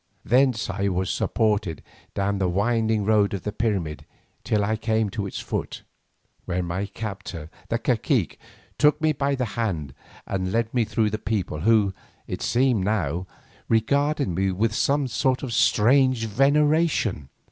Thence I was supported down the winding road of the pyramid till I came to its foot, where my captor the cacique took me by the hand and led me through the people who, it seemed, now regarded me with some strange veneration.